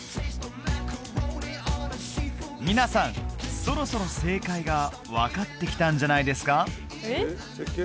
皆さんそろそろ正解が分かってきたんじゃないですか？